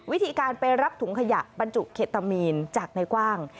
วิธีการไปรับถุงขยะบรรจุเคตามีนจากในกว้าง